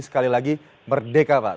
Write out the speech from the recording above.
sekali lagi merdeka pak